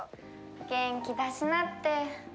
元気出しなって。